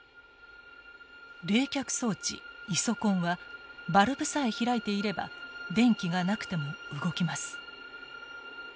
冷却装置イソコンはバルブさえ開いていれば電気がなくても動きます。